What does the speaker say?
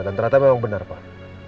dan ternyata memang benar pak